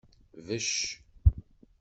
Becc.